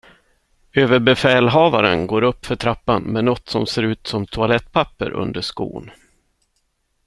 Överbefälhavaren går uppför trappan med nåt som ser ut som toalettpapper under skon.